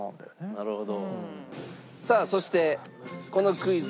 なるほど。